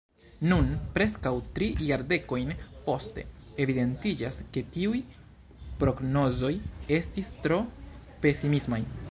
Nun, preskaŭ tri jardekojn poste, evidentiĝas ke tiuj prognozoj estis tro pesimismaj.